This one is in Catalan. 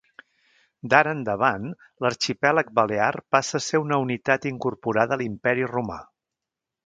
D'ara endavant l'arxipèlag balear passa a ser una unitat incorporada a l'Imperi romà.